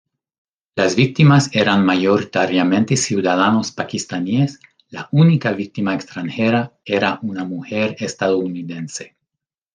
Las víctimas eran mayoritariamente ciudadanos pakistaníes, la única víctima extranjera era una mujer estadounidense.